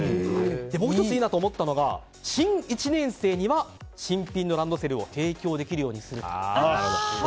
もう１ついいなと思ったのが新１年生には新品のランドセルを提供できるようにすると。